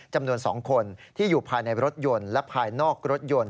จำนวน๒คนที่อยู่ภายในรถยนต์และภายนอกรถยนต์